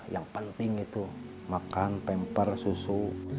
yang penting itu makan pemper susu